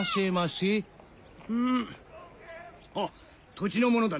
土地の者だね？